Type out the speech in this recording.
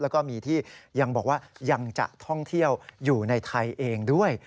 แล้วก็มีที่ยังบอกว่ายังจะท่องเที่ยวอยู่ในไทยเองด้วย